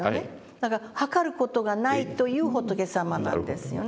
だから測る事がないという仏様なんですよね。